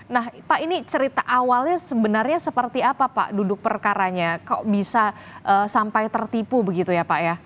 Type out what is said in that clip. nah pak ini cerita awalnya sebenarnya seperti apa pak duduk perkaranya kok bisa sampai tertipu begitu ya pak ya